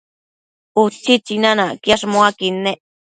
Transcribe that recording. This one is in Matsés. Ubi tsinanacquiash muaquid nec